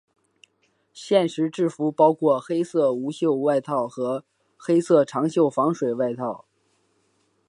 现时制服包括黑色无袖外套和黑色长袖防水外套。